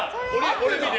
俺見て。